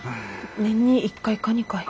年に１回か２回。